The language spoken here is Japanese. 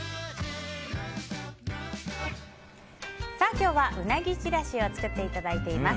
今日はウナギちらしを作っていただいています。